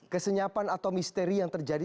kesenyapan atau misteri yang terjadi